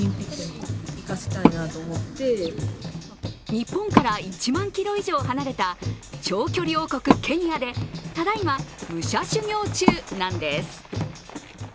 日本から１万ｋｍ以上離れた長距離王国・ケニアでただいま、武者修行中なんです。